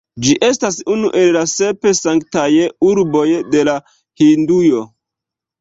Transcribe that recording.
Ĝi estas unu el la sep sanktaj urboj de la hinduoj.